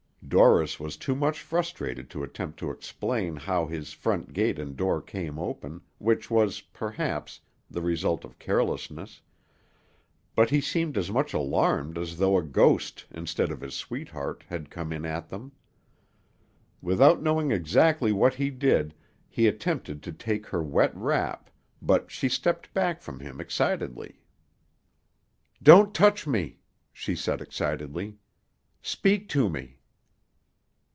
Dorris was too much frustrated to attempt to explain how his front gate and door came open, which was, perhaps, the result of carelessness; but he seemed as much alarmed as though a ghost, instead of his sweetheart, had come in at them. Without knowing exactly what he did, he attempted to take her wet wrap, but she stepped back from him excitedly. "Don't touch me!" she said excitedly. "Speak to me!"